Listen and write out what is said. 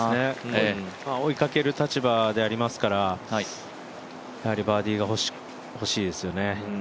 追いかける立場でありますから、やはりバーディーが欲しいですよね。